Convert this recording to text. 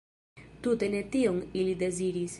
Tute ne tion ili deziris.